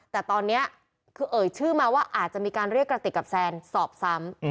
แต่ตอนนี้คือเอ่ยชื่อมาว่าอาจจะมีการเรียกกระติกกับแซนสอบซ้ำ